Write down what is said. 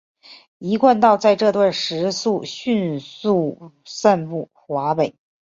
一贯道在这段时期迅速散布华北。